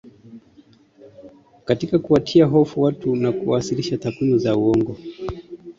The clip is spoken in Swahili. katika kuwatia hofu watu na kuwasilisha takwimu za uongo